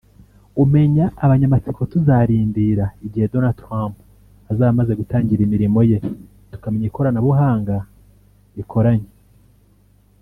umenya abanyamatsiko tuzarindira igihe Donald Trump azaba amaze gutangirira imirimo ye tukamenya ikoranabuhanga ikoranye